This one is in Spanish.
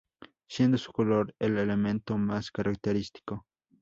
Siendo su color el elemento más característico.